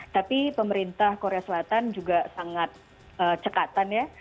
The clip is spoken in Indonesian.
tapi pemerintah korea selatan juga sangat cekatan ya